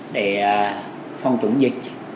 để phòng chủng dịch